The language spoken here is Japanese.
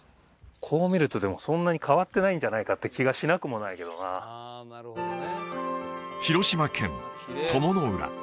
こう見るとでもそんなに変わってないんじゃないかって気がしなくもないけどな広島県鞆の浦